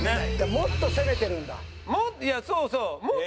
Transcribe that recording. もっと攻めてるよ。